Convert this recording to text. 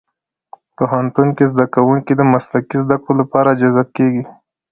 پوهنتون کې زدهکوونکي د مسلکي زدهکړو لپاره جذب کېږي.